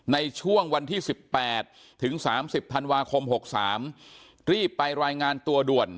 ในช่วงวันที่สิบแปดถึงสามสิบธันวาคมหกสามรีบไปรายงานตัวด่วน